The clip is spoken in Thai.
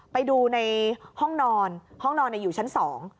ไปดูในห้องนอนห้องนอนอยู่ชั้นสอง